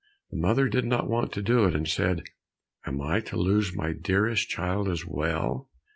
The mother did not want to do it, and said, "Am I to lose my dearest child, as well?"